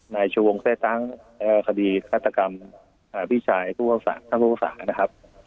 นายชูวงแซ่ตั้งและคดีฆาตกรรมพี่ชายท่านภูมิภาษา